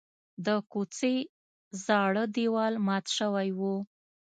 د کوڅې زاړه دیوال مات شوی و.